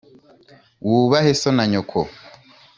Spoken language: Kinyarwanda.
“Wubahe so na nyoko.”